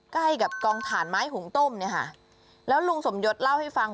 ใกล้กับกองถ่านไม้หุงต้มเนี่ยค่ะแล้วลุงสมยศเล่าให้ฟัง